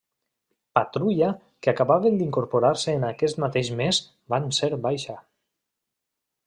Patrulla que acabaven d'incorporar-se en aquest mateix mes van ser baixa.